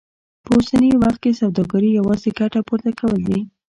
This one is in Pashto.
په اوسني وخت کې سوداګري يوازې ګټه پورته کول دي.